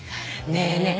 ねえねえ。